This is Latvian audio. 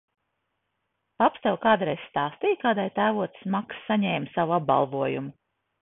Paps tev kādreiz stāstīja, kādēļ tēvocis Maks saņēma savu apbalvojumu?